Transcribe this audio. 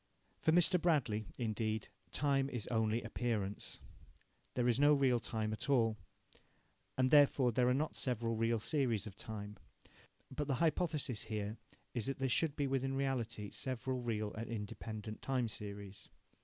For Mr. Bradley, indeed, time is only appearance. There is no real time at all, and therefore there are not several real series of time. But the hypothesis here is that there should be within reality several real and independent time series.